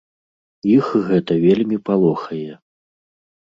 Іх гэта вельмі палохае.